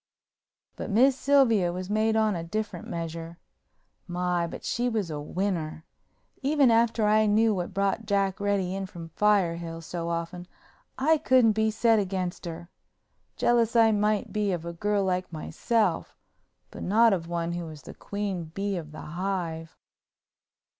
But Miss Sylvia was made on a different measure. My, but she was a winner! Even after I knew what brought Jack Reddy in from Firehill so often I couldn't be set against her. Jealous I might be of a girl like myself, but not of one who was the queen bee of the hive.